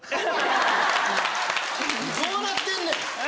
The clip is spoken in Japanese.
どうなってんねん！